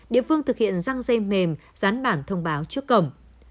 địa phương thực hiện răng dây mềm rán bản thông báo trước cổng